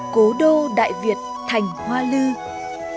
cố đô đại việt thành hoa lưu